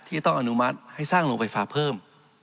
ที่ต้องอนุมัติให้สร้างโรงไฟฟ้าเพิ่ม